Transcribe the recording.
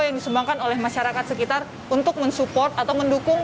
yang disumbangkan oleh masyarakat sekitar untuk mensupport atau mendukung